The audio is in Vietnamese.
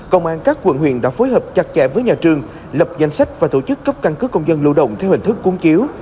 công an các quận huyện đã phối hợp chặt chẽ với nhà trường lập danh sách và tổ chức cấp căn cứ công dân lưu động theo hình thức cuốn chiếu